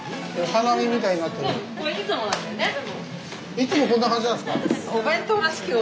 いつもこんな感じなんですか？